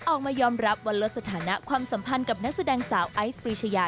ออกมายอมรับว่าลดสถานะความสัมพันธ์กับนักแสดงสาวไอซ์ปรีชยา